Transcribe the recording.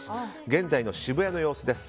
現在の渋谷の様子です。